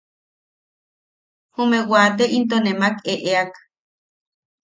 Jume wate into nemak eʼeak.